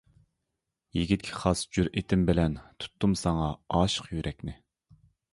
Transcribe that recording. يىگىتكە خاس جۈرئىتىم بىلەن، تۇتتۇم ساڭا ئاشىق يۈرەكنى.